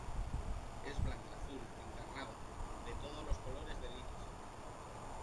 es blanca, azul , encarnada , de todos los colores del iris.